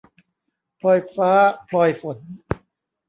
พลอยฟ้าพลอยฝน